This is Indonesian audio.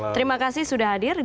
terima kasih sudah hadir